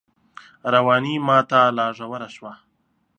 رواني ماته لا ژوره شوه